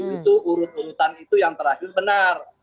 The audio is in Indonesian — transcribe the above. itu urut urutan itu yang terakhir benar